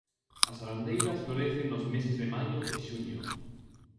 As arandeiras florecen nos meses de maio e xuño.